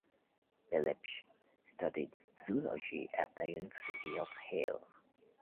Berlepsch studied zoology at the University of Halle.